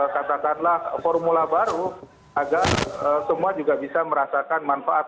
katakanlah formula baru agar semua juga bisa merasakan manfaat